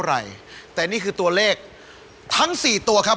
ที่ไม่มีใครเลือกกันดีกว่าครับ